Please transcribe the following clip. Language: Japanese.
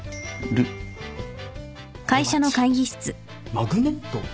マグネット？